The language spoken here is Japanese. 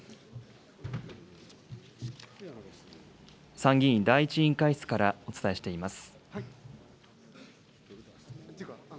参議院第１委員会室からお伝えしています。